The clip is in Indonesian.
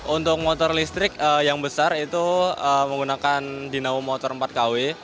untuk motor listrik yang besar itu menggunakan dinau motor empat kw